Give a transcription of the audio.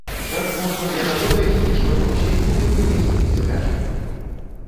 Так можна да таго дайсці, што мы ўсіх будзем выпісваць з-за мяжы!